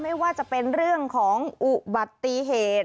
ไม่ว่าจะเป็นเรื่องของอุบัติเหตุ